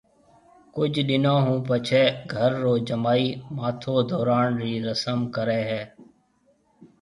ڪجھ ڏنون ھون پڇيَ گھر رو جمائِي ماٿو ڌوراڻ رِي رسم ڪرَي ھيََََ